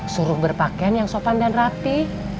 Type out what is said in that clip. suruh berpakaian yang sopan dan rapi